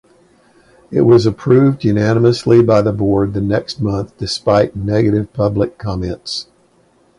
It was approved unanimously by the board the next month despite negative public comments.